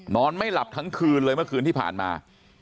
นอนไม่หลับทั้งคืนเลยเมื่อคืนที่ผ่านมา